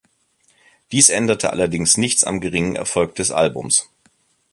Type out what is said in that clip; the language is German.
Dies änderte allerdings nichts am geringen Erfolg des Albums.